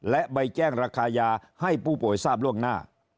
และใบแจ้งราคายาให้ผู้ป่วยทราบล่วงหน้า